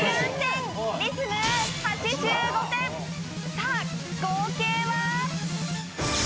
さあ合計は。